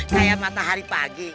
kayak matahari pagi